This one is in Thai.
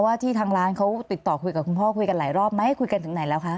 ที่ทางร้านเขาติดต่อคุยกับคุณพ่อคุยกันหลายรอบไหมคุยกันถึงไหนแล้วคะ